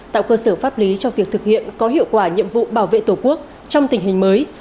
tạo cơ sở pháp lý cho việc thực hiện có hiệu quả nhiệm vụ bảo vệ tổ quốc trong tình hình mới